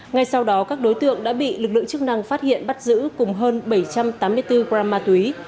ngay sau đó các đối tượng đã bị lực lượng chức năng phát hiện bắt giữ cùng hơn bảy trăm tám mươi bốn gram ma túy